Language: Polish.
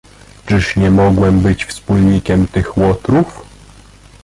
"Czyż nie mogłem być wspólnikiem tych łotrów?"